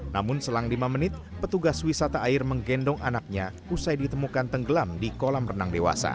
namun selang lima menit petugas wisata air menggendong anaknya usai ditemukan tenggelam di kolam renang dewasa